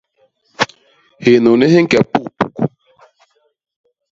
Hinuni hi ñke pugpuk.